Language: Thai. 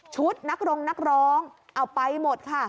ชุดนักรงนักร้องเอาไปหมดค่ะ